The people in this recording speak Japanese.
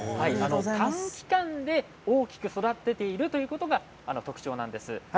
短期間で大きく育てているということが特徴なんです。